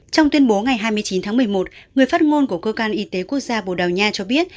trong tuyên bố ngày hai mươi chín tháng một mươi một người phát ngôn của cơ quan y tế quốc gia bồ đào nha cho biết